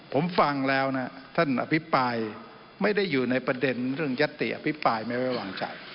ผมฟังแล้วท่านอภิปรายไม่ได้อยู่ในประเด็นเรื่องยศติอภิปราย